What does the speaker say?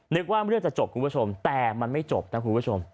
นึกว่าเรื่องจะจบคุณผู้ชมแต่มันไม่จบนะคุณผู้ชม